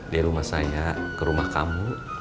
dari rumah saya ke rumah kamu